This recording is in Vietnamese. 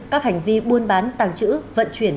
các hành vi buôn bán tàng trữ vận chuyển